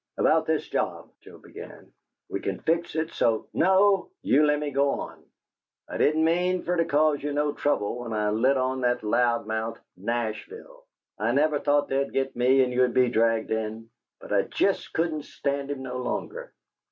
"About this job," Joe began. "We can fix it so " "No," said Happy. "You lemme go on. I didn't mean fer to cause you no trouble when I lit on that loud mouth, 'Nashville'; I never thought they'd git me, or you'd be dragged in. But I jest couldn't stand him no longer.